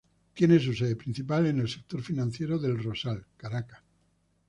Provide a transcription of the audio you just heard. Tiene su sede principal en el sector financiero de El Rosal, Caracas.